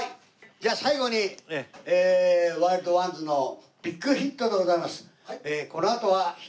じゃあ最後にワイルドワンズのビッグヒットでございます。